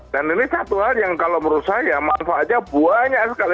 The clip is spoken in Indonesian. dan ini satu hal yang kalau menurut saya manfaatnya banyak sekali